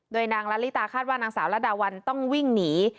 โดยนางละลิตาคาดว่านางสาวระดาวันต้องวิ่งหนี